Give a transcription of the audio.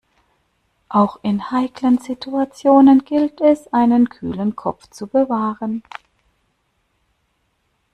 Auch in heiklen Situationen gilt es, einen kühlen Kopf zu bewahren.